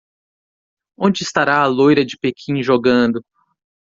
Onde estará a loira de Pequim jogando